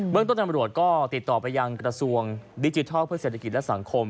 เมืองต้นตำรวจก็ติดต่อไปยังกระทรวงดิจิทัลเพื่อเศรษฐกิจและสังคม